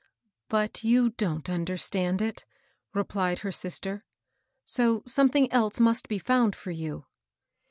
*' But you don't understand it," replied her sis ter ;" so something else must be found for you."